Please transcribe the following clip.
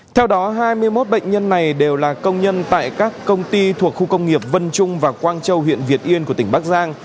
theo đó hai mươi một bệnh nhân này đều là công nhân tại các công ty thuộc khu công nghiệp vân trung và quang châu huyện việt yên của tỉnh bắc giang